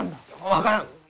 分からん。